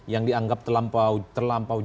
yang dianggap terlampau